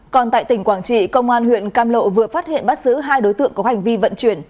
còn tại tỉnh quảng trị công an huyện cam lộ vừa phát hiện bắt giữ hai đối tượng có hành vi vận chuyển